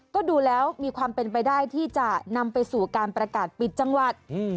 ก็ดูแล้วมีความเป็นไปได้ที่จะนำไปสู่การประกาศปิดจังหวัด